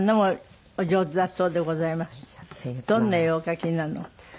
どんな絵をお描きになるの？